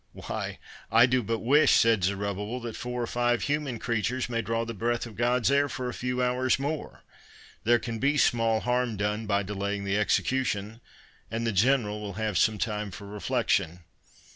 "Why, I do but wish," said Zerubbabel, "that four or five human creatures may draw the breath of God's air for a few hours more; there can be small harm done by delaying the execution,—and the General will have some time for reflection."